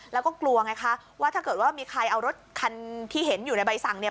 แล้วก็กลัวไงคะว่าถ้าเกิดว่ามีใครเอารถคันที่เห็นอยู่ในใบสั่งเนี่ย